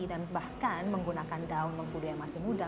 dan bahkan menggunakan daun mengkudu yang masih muda